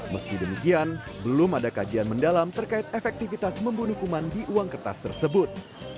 meski demikian belum ada kajian mendalam terkait efektivitas membunuh kuman di uang kertas tersebut